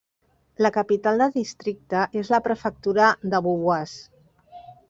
La capital de districte és la prefectura de Beauvais.